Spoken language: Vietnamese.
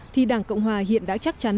thì đảng cộng hòa hiện đã chắc chắn